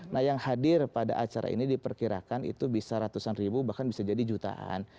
nah yang hadir pada acara ini diperkirakan itu bisa ratusan ribu bahkan bisa jadi jutaan